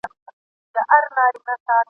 لکه له باد سره الوتې وړۍ !.